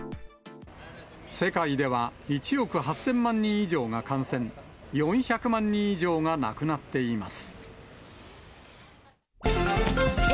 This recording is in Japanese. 世界では１億８０００万人以上が感染、４００万人以上が亡くなっています。